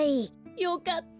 よかった。